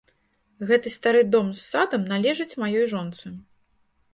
Гэты стары дом з садам належыць маёй жонцы.